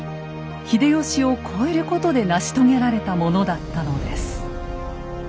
秀吉を超えることで成し遂げられたものだったのです。